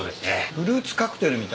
フルーツカクテルみたいな。